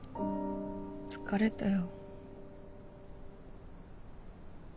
疲れたよ。